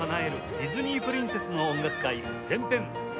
ディズニープリンセスの音楽会前編」